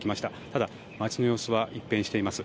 ただ、街の様子は一変しています。